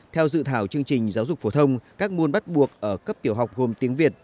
theo dự thảo chương trình giáo dục phổ thông các môn bắt buộc ở cấp tiểu học gồm tiếng việt